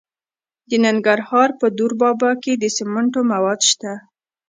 د ننګرهار په دور بابا کې د سمنټو مواد شته.